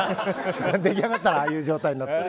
出来上がったらああいう状態になって。